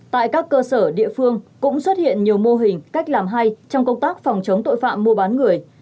tại các cơ sở địa phương cũng xuất hiện nhiều mô hình cách làm hay trong công tác phòng chống tội phạm mua bán người